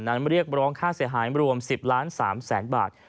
นั้นเรียกร้องค่าเสียหายรวม๑๐๐๓๐๐๐บาท